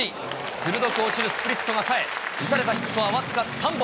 鋭く落ちるスプリットがさえ、打たれたヒットは僅か３本。